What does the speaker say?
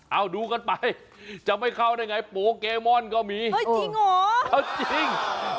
เอ้าดูกันไปจะไม่เข้าได้ไงโปเกมอนก็มีเอ้ยจริงหรอ